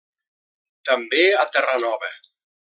També a Terranova.